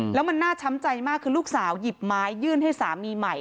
แล้วมันน่าช้ำใจมากคือลูกสาวหยิบไม้ยื่นให้สามีใหม่